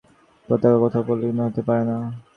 পতাকা কখনও ভূলুণ্ঠিত হতে পারে না।